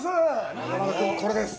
中丸君、これです。